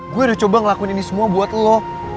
gue udah coba ngelakuin ini semua buat lo